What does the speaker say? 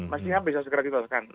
maksudnya bisa segera ditolakkan